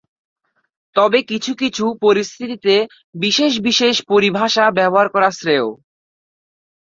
তবে কিছু কিছু পরিস্থিতিতে বিশেষ বিশেষ পরিভাষা ব্যবহার করা শ্রেয়।